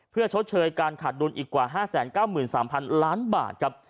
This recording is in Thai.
เพื่อชดเชยการขาดดุลอีกกว่า๕๙๓๐๐๐ล้านบาทครับ